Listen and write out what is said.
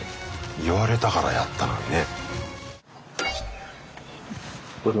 言われたからやったのにね。